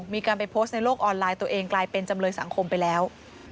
มีการไปโพสต์ในโลกออนไลน์ตัวเองกลายเป็นจำเลยสังคมไปแล้ว